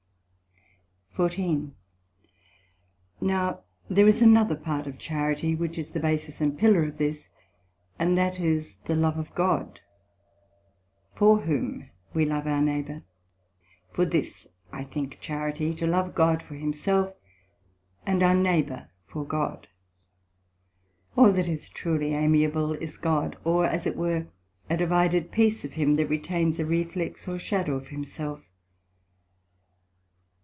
SECT.14 Now there is another part of charity, which is the Basis and Pillar of this, and that is the love of God, for whom we love our neighbour; for this I think charity, to love God for himself, and our neighbour for God. All that is truly amiable is God, or as it were a divided piece of him, that retains a reflex or shadow of himself.